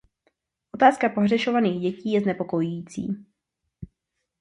Otázka pohřešovaných dětí je znepokojující.